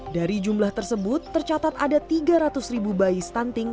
dari jumlah tersebut tercatat ada tiga ratus ribu bayi stunting